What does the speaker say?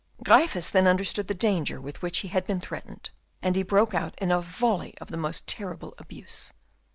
Gryphus then understood the danger with which he had been threatened, and he broke out in a volley of the most terrible abuse.